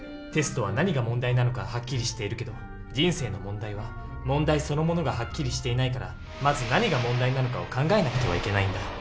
テストは何が問題なのかはっきりしているけど人生の問題は問題そのものがはっきりしていないからまず何が問題なのかを考えなくてはいけないんだ。